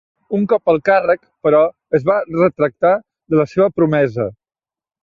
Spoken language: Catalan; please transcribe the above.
Un cop al càrrec, però, es va retractar de la seva promesa.